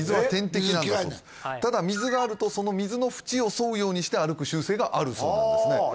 ただ水があるとその水の縁を沿うようにして歩く習性があるそうなんですね